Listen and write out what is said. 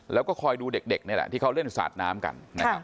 แล้วก็คอยดูเด็กนี่แหละที่เขาเล่นสาดน้ำกันนะครับ